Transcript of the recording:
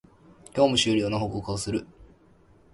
業務終了の報告をする